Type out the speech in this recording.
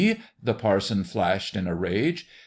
" the parson flashed, in a rage.